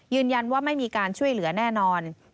ยืนยันว่าไม่มีการช่วยเหลือแน่นอน